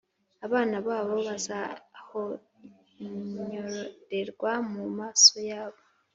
Abana babo bazahonyorerwa mu maso yabo,